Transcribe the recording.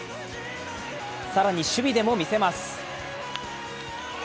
更に守備でもみせます。